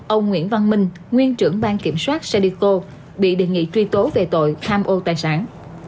ông nguyễn văn minh nguyên trưởng ban kiểm soát xe đico bị đề nghị truy tố về tội tham ô tài sản